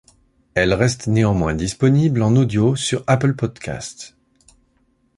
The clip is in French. Elle reste néanmoins disponible en audio sur Apple Podcasts.